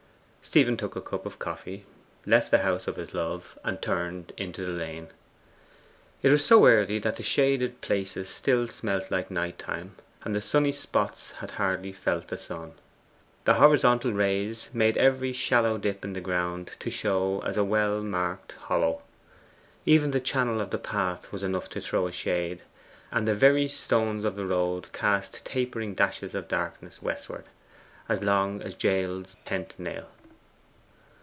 Stephen took a cup of coffee, left the house of his love, and turned into the lane. It was so early that the shaded places still smelt like night time, and the sunny spots had hardly felt the sun. The horizontal rays made every shallow dip in the ground to show as a well marked hollow. Even the channel of the path was enough to throw shade, and the very stones of the road cast tapering dashes of darkness westward, as long as Jael's tent nail.